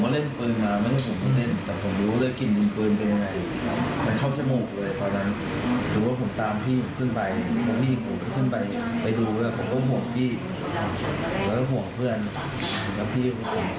แล้วพี่ผมก็ขึ้นไปกับเพื่อนผม